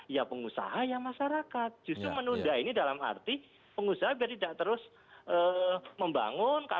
ya pengusaha ya masyarakat justru menunda ini dalam arti pengusaha biar tidak terus membangun